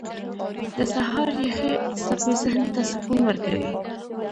• د سهار یخې څپې ذهن ته سکون ورکوي.